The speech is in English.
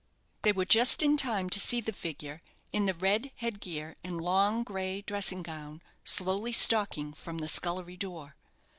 They were just in time to see the figure, in the red head gear and long grey dressing gown, slowly stalking from the scullery door.